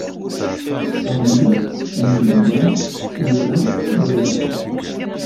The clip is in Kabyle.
Sami yella ira igerdan.